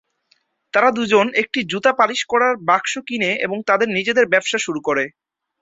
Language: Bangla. তারা দুজন একটি জুতা পালিশ করার বাক্স কিনে এবং তাদের নিজেদের ব্যবসা শুরু করে।